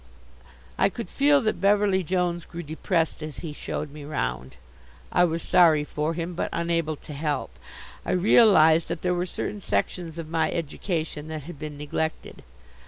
I could feel that Beverly Jones grew depressed as he showed me round. I was sorry for him, but unable to help. I realized that there were certain sections of my education that had been neglected.